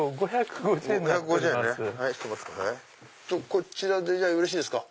こちらでよろしいですか？